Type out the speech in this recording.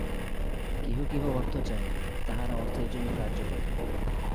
কেহ কেহ অর্থ চায়, তাহারা অর্থের জন্য কার্য করে।